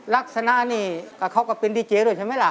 ลักษณะมีประกอบเป็นดีเจ๊ด้วย